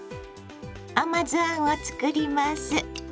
甘酢あんを作ります。